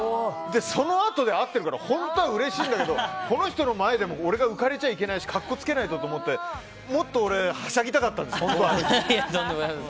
そのあとで会っているから本当はうれしいんだけどこの人の前で俺が浮かれちゃいけないし格好つけないと、と思ってもっと俺はしゃぎたかったんです、本当は。